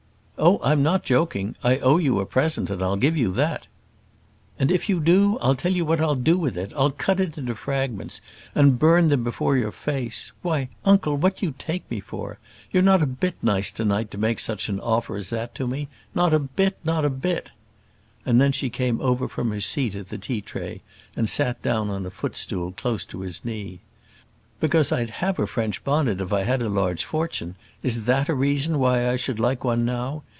"Oh, I'm not joking; I owe you a present, and I'll give you that." "And if you do, I'll tell you what I'll do with it. I'll cut it into fragments, and burn them before your face. Why, uncle, what do you take me for? You're not a bit nice to night to make such an offer as that to me; not a bit, not a bit." And then she came over from her seat at the tea tray and sat down on a foot stool close at his knee. "Because I'd have a French bonnet if I had a large fortune, is that a reason why I should like one now?